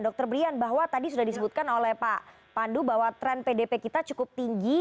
dr brian bahwa tadi sudah disebutkan oleh pak pandu bahwa tren pdp kita cukup tinggi